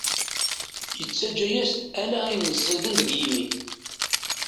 Yettaǧǧa-yas-d ala ayen ẓiden deg yimi.